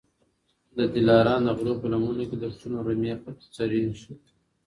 د دلارام د غرو په لمنو کي د پسونو رمې څرېږي